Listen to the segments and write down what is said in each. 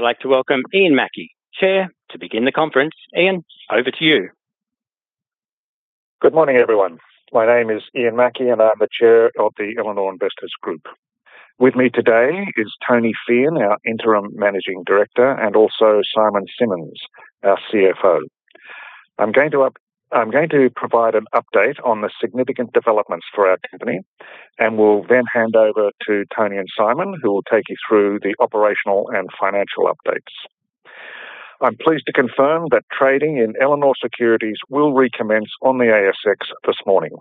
I'd like to welcome Ian Mackie, Chair, to begin the conference. Ian, over to you. Good morning, everyone. My name is Ian Mackie, and I'm the Chair of the Elanor Investors Group. With me today is Tony Fehon, our Interim Managing Director. Also Symon Simmons, our CFO. I'm going to provide an update on the significant developments for our company. Will then hand over to Tony and Symon, who will take you through the operational and financial updates. I'm pleased to confirm that trading in Elanor securities will recommence on the ASX this morning.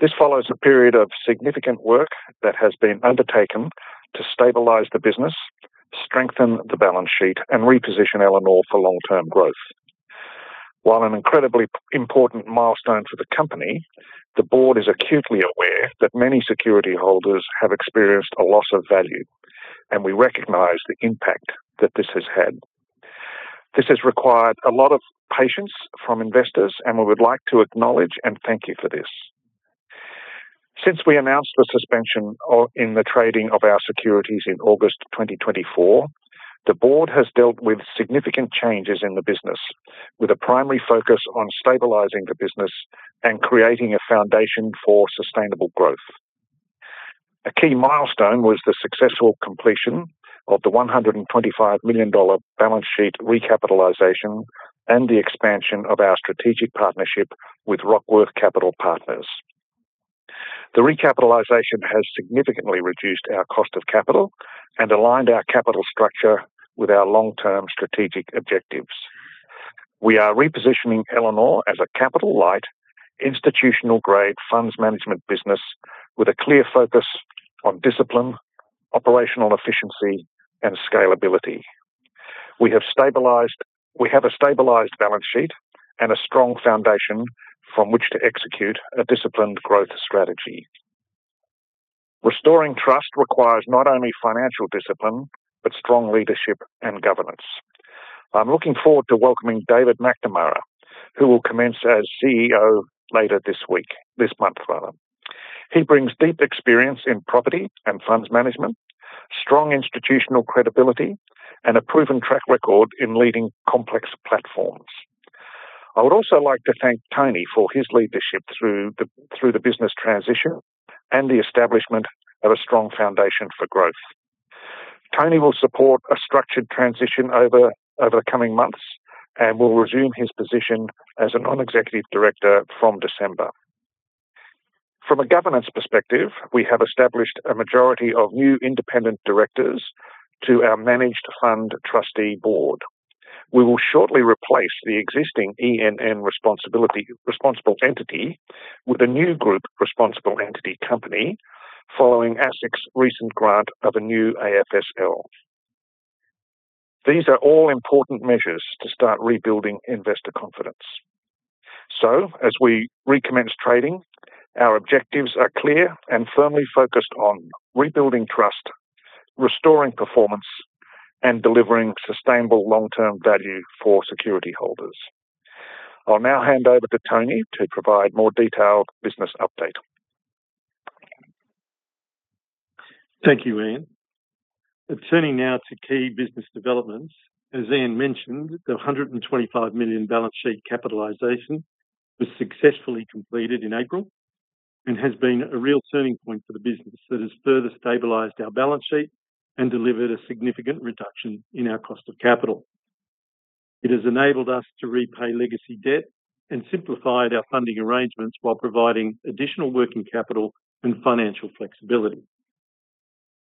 This follows a period of significant work that has been undertaken to stabilize the business, strengthen the balance sheet, and reposition Elanor for long-term growth. While an incredibly important milestone for the company, the Board is acutely aware that many security holders have experienced a loss of value, and we recognize the impact that this has had. This has required a lot of patience from investors. We would like to acknowledge and thank you for this. Since we announced the suspension in the trading of our securities in August 2024, the Board has dealt with significant changes in the business, with a primary focus on stabilizing the business and creating a foundation for sustainable growth. A key milestone was the successful completion of the 125 million dollar balance sheet recapitalization and the expansion of our strategic partnership with Rockworth Capital Partners. The recapitalization has significantly reduced our cost of capital and aligned our capital structure with our long-term strategic objectives. We are repositioning Elanor as a capital-light, institutional-grade funds management business with a clear focus on discipline, operational efficiency, and scalability. We have a stabilized balance sheet and a strong foundation from which to execute a disciplined growth strategy. Restoring trust requires not only financial discipline but strong leadership and governance. I'm looking forward to welcoming David McNamara, who will commence as CEO later this week, this month, rather. He brings deep experience in property and funds management, strong institutional credibility, and a proven track record in leading complex platforms. I would also like to thank Tony for his leadership through the business transition and the establishment of a strong foundation for growth. Tony will support a structured transition over the coming months and will resume his position as a Non-Executive Director from December. From a governance perspective, we have established a majority of new independent directors to our managed fund trustee board. We will shortly replace the existing ENN responsible entity with a new group responsible entity company following ASIC's recent grant of a new AFSL. These are all important measures to start rebuilding investor confidence. As we recommence trading, our objectives are clear and firmly focused on rebuilding trust, restoring performance, and delivering sustainable long-term value for security holders. I'll now hand over to Tony to provide more detailed business update. Thank you, Ian. Turning now to key business developments. As Ian mentioned, the 125 million balance sheet capitalization was successfully completed in April and has been a real turning point for the business that has further stabilized our balance sheet and delivered a significant reduction in our cost of capital. It has enabled us to repay legacy debt and simplified our funding arrangements while providing additional working capital and financial flexibility.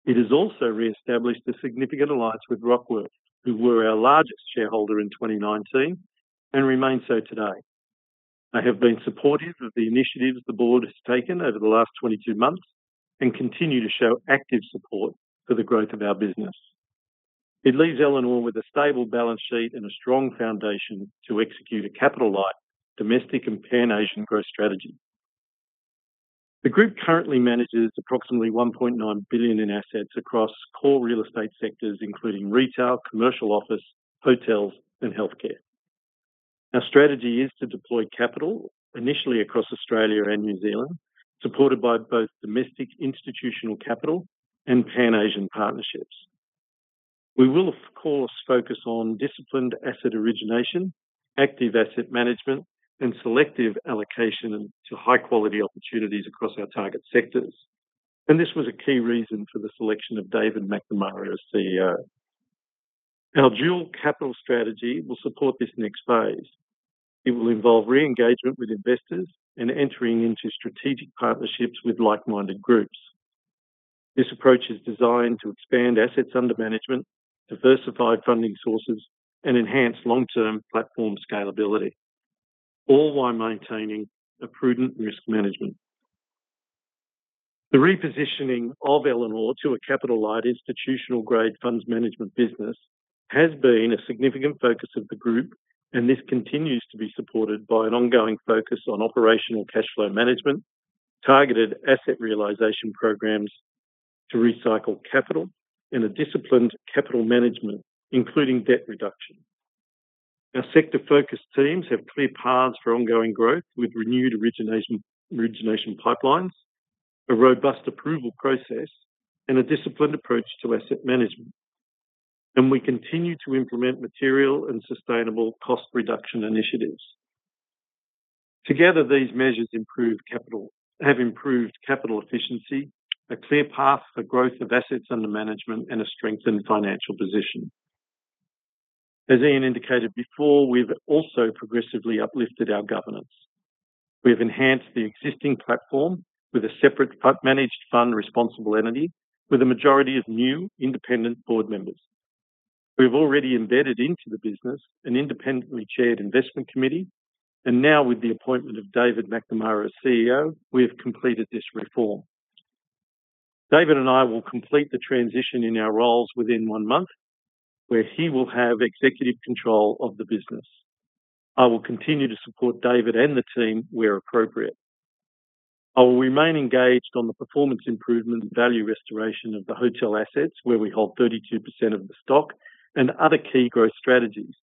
It has also reestablished a significant alliance with Rockworth, who were our largest shareholder in 2019 and remain so today. They have been supportive of the initiatives the Board has taken over the last 22 months and continue to show active support for the growth of our business. It leaves Elanor with a stable balance sheet and a strong foundation to execute a capital-light, domestic and Pan-Asian growth strategy. The Group currently manages approximately 1.9 billion in assets across core real estate sectors, including retail, commercial office, hotels, and healthcare. Our strategy is to deploy capital initially across Australia and New Zealand, supported by both domestic institutional capital and Pan-Asian partnerships. We will, of course, focus on disciplined asset origination, active asset management, and selective allocation to high-quality opportunities across our target sectors. This was a key reason for the selection of David McNamara as CEO. Our dual capital strategy will support this next phase. It will involve re-engagement with investors and entering into strategic partnerships with like-minded groups. This approach is designed to expand assets under management, diversify funding sources, and enhance long-term platform scalability, all while maintaining a prudent risk management. The repositioning of Elanor to a capital-light, institutional-grade funds management business has been a significant focus of the Group, and this continues to be supported by an ongoing focus on operational cash flow management, targeted asset realization programs to recycle capital, and a disciplined capital management, including debt reduction. Our sector-focused teams have clear paths for ongoing growth with renewed origination pipelines, a robust approval process, and a disciplined approach to asset management. We continue to implement material and sustainable cost reduction initiatives. Together, these measures have improved capital efficiency, a clear path for growth of assets under management, and a strengthened financial position. As Ian indicated before, we've also progressively uplifted our governance. We've enhanced the existing platform with a separate managed fund responsible entity with a majority of new independent board members. We've already embedded into the business an independently chaired Investment Committee. Now with the appointment of David McNamara as CEO, we have completed this reform. David and I will complete the transition in our roles within one month, where he will have executive control of the business. I will continue to support David and the team where appropriate. I will remain engaged on the performance improvement and value restoration of the hotel assets, where we hold 32% of the stock, and other key growth strategies.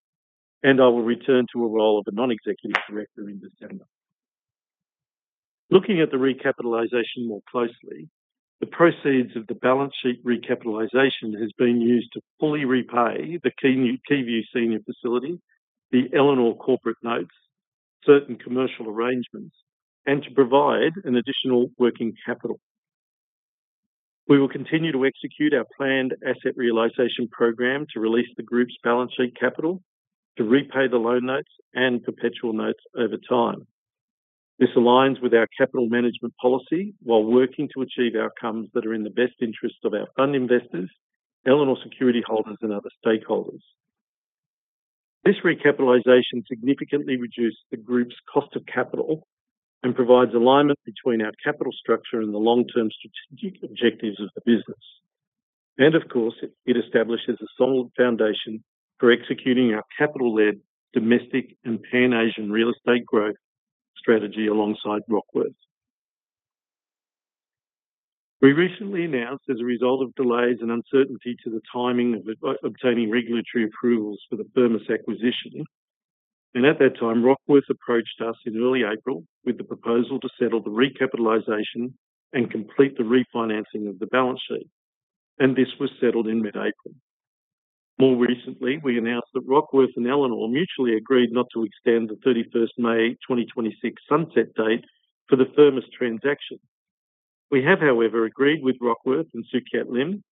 I will return to a role of a Non-Executive Director in December. Looking at the recapitalization more closely, the proceeds of the balance sheet recapitalization has been used to fully repay the Keyview senior facility, the Elanor corporate notes, certain commercial arrangements, and to provide an additional working capital. We will continue to execute our planned asset realization program to release the Group's balance sheet capital to repay the loan notes and perpetual notes over time. This aligns with our capital management policy while working to achieve outcomes that are in the best interest of our fund investors, Elanor security holders, and other stakeholders. This recapitalization significantly reduced the Group's cost of capital and provides alignment between our capital structure and the long-term strategic objectives of the business. Of course, it establishes a solid foundation for executing our capital-led domestic and Pan-Asian real estate growth strategy alongside Rockworth. We recently announced, as a result of delays and uncertainty to the timing of obtaining regulatory approvals for the Firmus acquisition. At that time, Rockworth approached us in early April with the proposal to settle the recapitalization and complete the refinancing of the balance sheet. This was settled in mid-April. More recently, we announced that Rockworth and Elanor mutually agreed not to extend the 31st May 2026 sunset date for the Firmus transaction. We have, however, agreed with Rockworth and Su Kiat Lim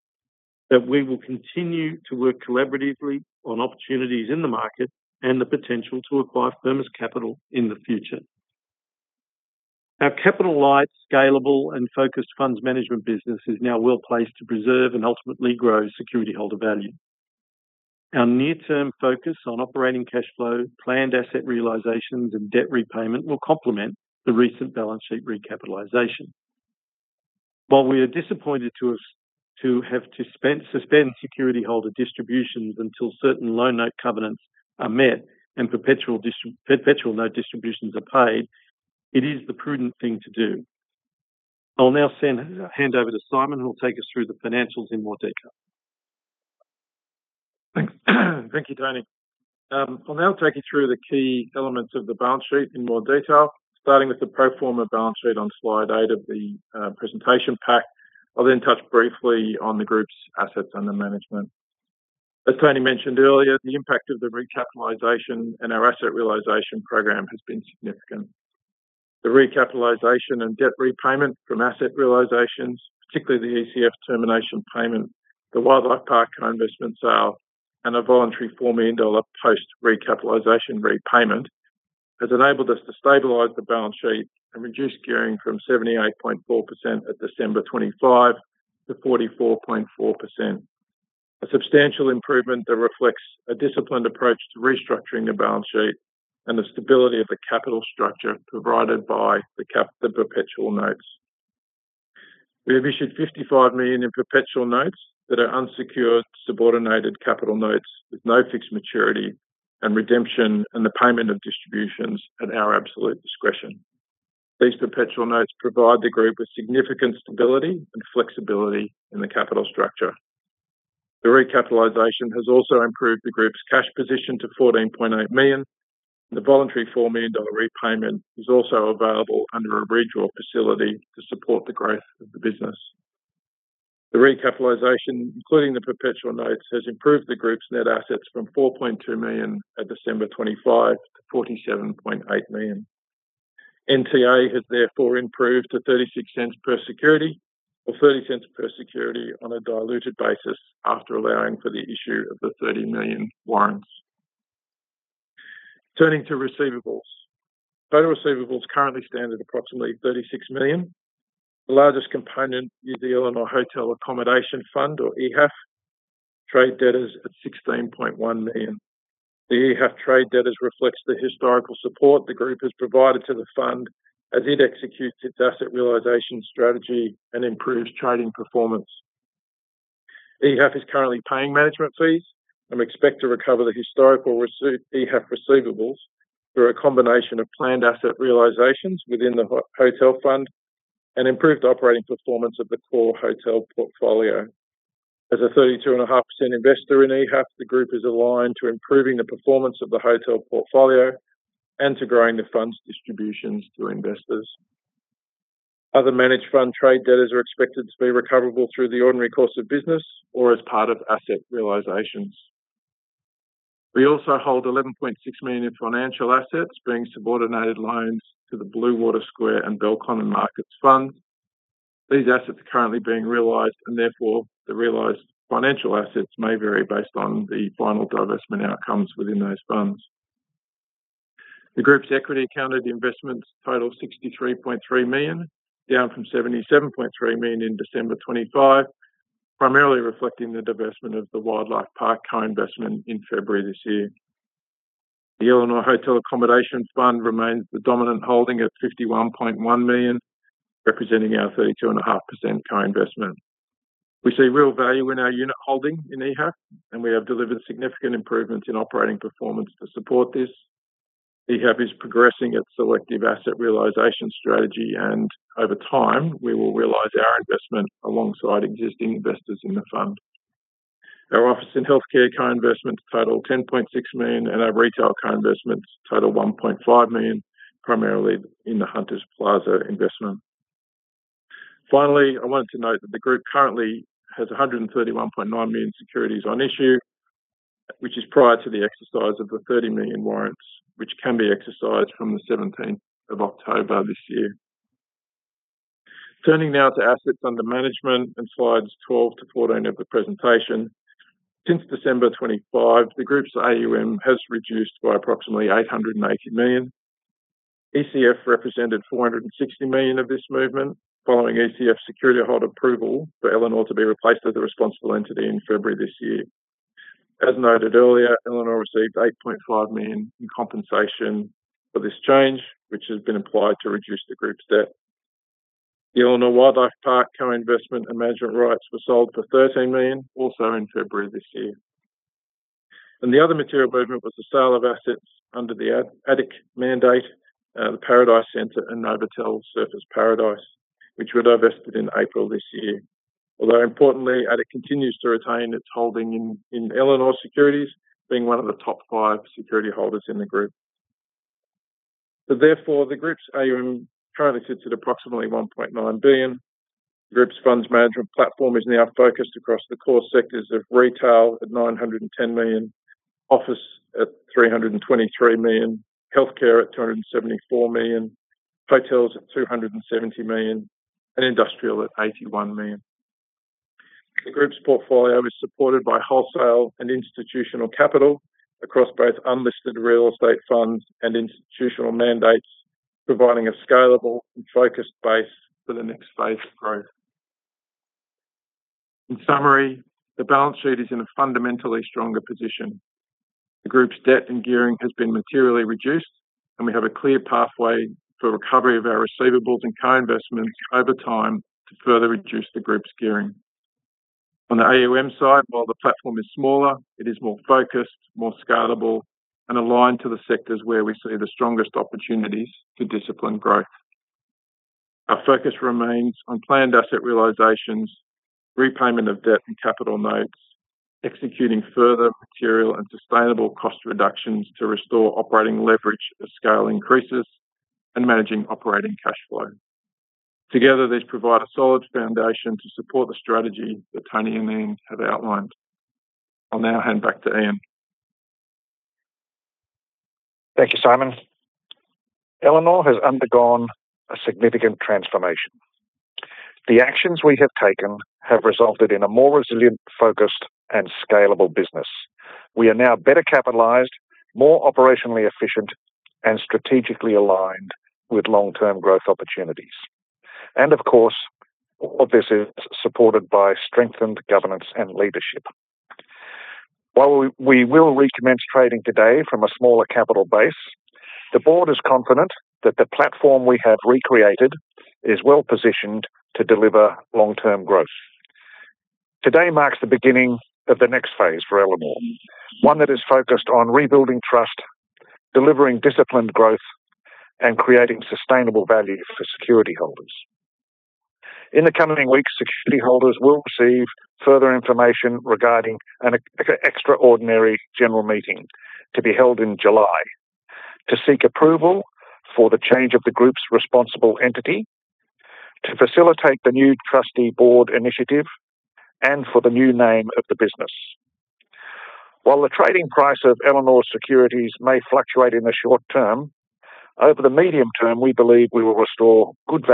that we will continue to work collaboratively on opportunities in the market and the potential to acquire Firmus Capital in the future. Our capital-light, scalable, and focused funds management business is now well-placed to preserve and ultimately grow security holder value. Our near-term focus on operating cash flow, planned asset realizations, and debt repayment will complement the recent balance sheet recapitalization. While we are disappointed to have to suspend security holder distributions until certain loan note covenants are met and perpetual note distributions are paid, it is the prudent thing to do. I'll now hand over to Symon, who will take us through the financials in more detail. Thank you, Tony. I'll now take you through the key elements of the balance sheet in more detail, starting with the pro forma balance sheet on slide eight of the presentation pack. I'll then touch briefly on the Group's assets under management. As Tony mentioned earlier, the impact of the recapitalization and our asset realization program has been significant. The recapitalization and debt repayment from asset realizations, particularly the ECF termination payment, the Wildlife Park co-investment sale, and a voluntary 4 million dollar post-recapitalization repayment, has enabled us to stabilize the balance sheet and reduce gearing from 78.4% at December 2025 to 44.4%. A substantial improvement that reflects a disciplined approach to restructuring the balance sheet and the stability of the capital structure provided by the perpetual notes. We have issued 55 million in perpetual notes that are unsecured subordinated capital notes with no fixed maturity and redemption and the payment of distributions at our absolute discretion. These perpetual notes provide the Group with significant stability and flexibility in the capital structure. The recapitalization has also improved the Group's cash position to 14.8 million. The voluntary 4 million dollar repayment is also available under a redraw facility to support the growth of the business. The recapitalization, including the perpetual notes, has improved the Group's net assets from 4.2 million at December 2025 to 47.8 million. NTA has therefore improved to 0.36 per security or 0.30 per security on a diluted basis after allowing for the issue of the 30 million warrants. Turning to receivables. Total receivables currently stand at approximately 36 million. The largest component is the Elanor Hotel Accommodation Fund, or EHAF, trade debtors at 16.1 million. The EHAF trade debtors reflects the historical support the Group has provided to the fund as it executes its asset realization strategy and improves trading performance. EHAF is currently paying management fees and we expect to recover the historical EHAF receivables through a combination of planned asset realizations within the hotel fund and improved operating performance of the core hotel portfolio. As a 32.5% investor in EHAF, the Group is aligned to improving the performance of the hotel portfolio and to growing the fund's distributions to investors. Other managed fund trade debtors are expected to be recoverable through the ordinary course of business or as part of asset realizations. We also hold 11.6 million in financial assets, being subordinated loans to the Bluewater Square and Belconnen Markets funds. These assets are currently being realized, and therefore, the realized financial assets may vary based on the final divestment outcomes within those funds. The Group's equity accounted investments total AUD 63.3 million, down from AUD 77.3 million in December 2025, primarily reflecting the divestment of the Wildlife Park co-investment in February this year. The Elanor Hotel Accommodation Fund remains the dominant holding at 51.1 million, representing our 32.5% co-investment. We see real value in our unit holding in EHAF, and we have delivered significant improvements in operating performance to support this. EHAF is progressing its selective asset realization strategy, and over time, we will realize our investment alongside existing investors in the fund. Our office and healthcare co-investments total 10.6 million, and our retail co-investments total 1.5 million, primarily in the Hunters Plaza investment. Finally, I wanted to note that the Group currently has 131.9 million securities on issue, which is prior to the exercise of the 30 million warrants, which can be exercised from the 17th of October this year. Turning now to assets under management in slides 12 to 14 of the presentation. Since December 2025, the Group's AUM has reduced by approximately 880 million. ECF represented 460 million of this movement, following ECF's security holder approval for Elanor to be replaced as a responsible entity in February this year. As noted earlier, Elanor received 8.5 million in compensation for this change, which has been applied to reduce the Group's debt. The Elanor Wildlife Park co-investment and management rights were sold for 13 million, also in February this year. The other material movement was the sale of assets under the ADIC mandate, the Paradise Centre and Novotel Surfers Paradise, which were divested in April this year. Importantly, ADIC continues to retain its holding in Elanor securities, being one of the top five security holders in the Group. The Group's AUM currently sits at approximately 1.9 billion. The Group's funds management platform is now focused across the core sectors of retail at 910 million, office at 323 million, healthcare at 274 million, hotels at 270 million, and industrial at 81 million. The Group's portfolio is supported by wholesale and institutional capital across both unlisted real estate funds and institutional mandates, providing a scalable and focused base for the next phase of growth. In summary, the balance sheet is in a fundamentally stronger position. The Group's debt and gearing has been materially reduced, and we have a clear pathway for recovery of our receivables and co-investments over time to further reduce the Group's gearing. On the AUM side, while the platform is smaller, it is more focused, more scalable, and aligned to the sectors where we see the strongest opportunities to discipline growth. Our focus remains on planned asset realizations, repayment of debt and capital notes, executing further material and sustainable cost reductions to restore operating leverage as scale increases, and managing operating cash flow. Together, these provide a solid foundation to support the strategy that Tony and Ian have outlined. I'll now hand back to Ian. Thank you, Symon. Elanor has undergone a significant transformation. The actions we have taken have resulted in a more resilient, focused, and scalable business. We are now better capitalized, more operationally efficient, and strategically aligned with long-term growth opportunities. Of course, all of this is supported by strengthened governance and leadership. While we will recommence trading today from a smaller capital base, the Board is confident that the platform we have recreated is well-positioned to deliver long-term growth. Today marks the beginning of the next phase for Elanor, one that is focused on rebuilding trust, delivering disciplined growth, and creating sustainable value for security holders. In the coming weeks, security holders will receive further information regarding an Extraordinary General Meeting to be held in July to seek approval for the change of the Group's responsible entity, to facilitate the new trustee board initiative, and for the new name of the business. While the trading price of Elanor's securities may fluctuate in the short term, over the medium term, we believe we will restore good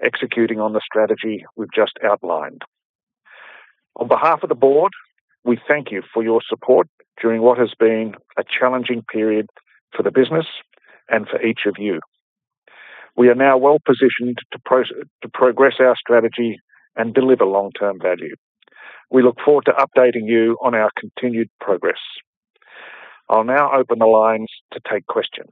value executing on the strategy we've just outlined. On behalf of the Board, we thank you for your support during what has been a challenging period for the business and for each of you. We are now well-positioned to progress our strategy and deliver long-term value. We look forward to updating you on our continued progress. I'll now open the lines to take questions.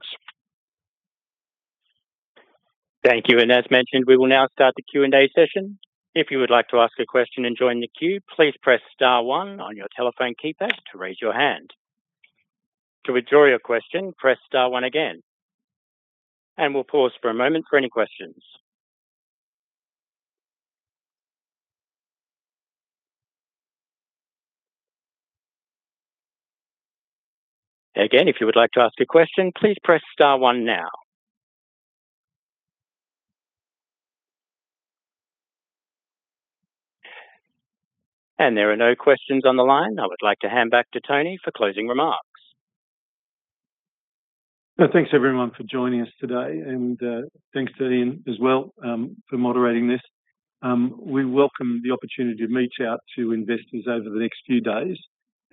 Thank you. As mentioned, we will now start the Q&A session. If you would like to ask a question and join the queue, please press star one on your telephone keypad to raise your hand. To withdraw your question, press star one again. We'll pause for a moment for any questions. Again, if you would like to ask a question, please press star one now. There are no questions on the line. I would like to hand back to Tony for closing remarks. Thanks everyone for joining us today, thanks to Ian as well, for moderating this. We welcome the opportunity to reach out to investors over the next few days,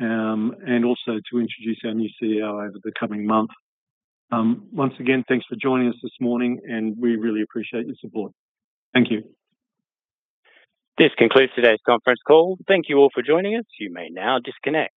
also to introduce our new CEO over the coming month. Once again, thanks for joining us this morning, we really appreciate your support. Thank you. This concludes today's conference call. Thank you all for joining us. You may now disconnect.